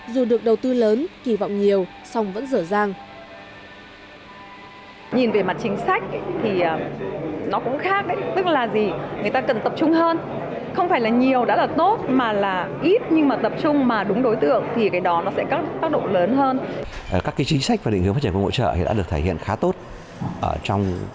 dù được đầu tư lớn kỳ vọng nhiều xong vẫn dở dang